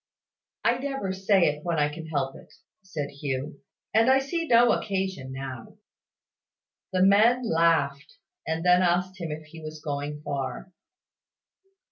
"I never say it when I can help it," said Hugh; "and I see no occasion now." The men laughed, and then asked him if he was going far.